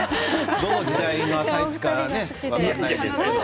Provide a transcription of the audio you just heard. どの時代の「あさイチ」からか分からないですけどね。